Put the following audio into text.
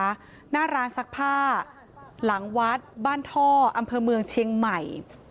หน้าร้านซักผ้าหลังวัดบ้านท่ออำเภอเมืองเชียงใหม่